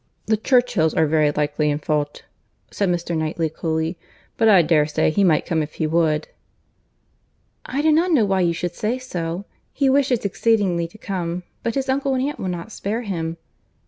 "The Churchills are very likely in fault," said Mr. Knightley, coolly; "but I dare say he might come if he would." "I do not know why you should say so. He wishes exceedingly to come; but his uncle and aunt will not spare him."